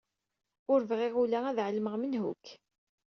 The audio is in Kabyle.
Ur bɣiɣ ula ad ɛelmeɣ menhu-k.